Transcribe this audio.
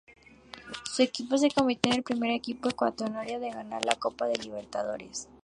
Su equipo se convirtió en el primer equipo ecuatoriano en ganar la Copa Libertadores.